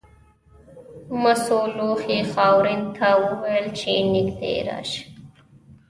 مسو لوښي خاورین ته وویل چې نږدې راشه.